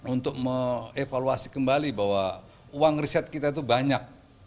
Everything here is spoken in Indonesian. untuk mengevaluasi kembali bahwa uang riset kita itu banyak